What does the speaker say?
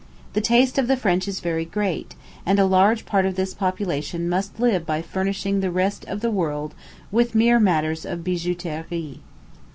The taste of the French is very great, and a large part of this population must live by furnishing the rest of the world with mere matters of bijouterie.